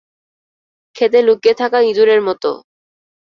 ক্ষেতে লুকিয়ে থাকা ইঁদুরের মতো!